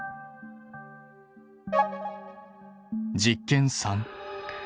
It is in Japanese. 実験３。